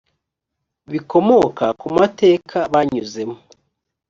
bikomoka ku mateka banyuzemo